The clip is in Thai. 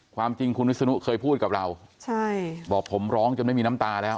ความจริงคุณวิศนุเคยพูดกับเราใช่บอกผมร้องจนไม่มีน้ำตาแล้ว